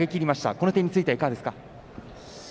この点についてはいかがですか？